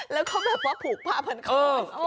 แล้วก็แบบว่าผูกผ้าพันคอ